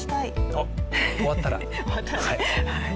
おっ、終わったら。